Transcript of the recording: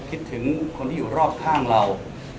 คิดถึงคนที่อยู่รอบข้างเรา